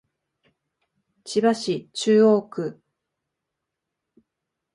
千葉市中央区